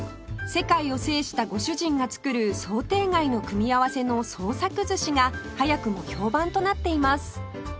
世界を制したご主人が作る想定外の組み合わせの創作寿司が早くも評判となっています